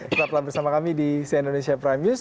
sertaplah bersama kami di sia indonesia prime news